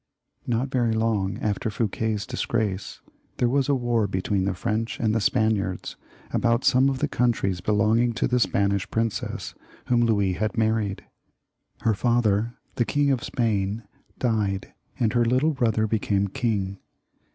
Not very long after Fouquet's disgrace, there was a war between the French and the Spaniards about some of the countries belonging to the Spanish princess whom Louis had married. Her father the King of Spain died, and her little brother became king.